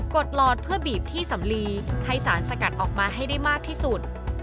ดหลอดเพื่อบีบที่สำลีให้สารสกัดออกมาให้ได้มากที่สุด